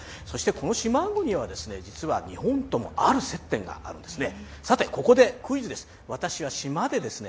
この島国は実は日本ともある接点があるんですね。